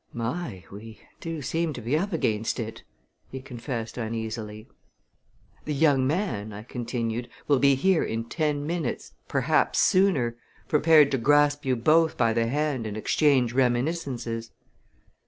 "My! We do seem to be up against it!" he confessed uneasily. "The young man," I continued, "will be here in ten minutes perhaps sooner prepared to grasp you both by the hand and exchange reminiscences."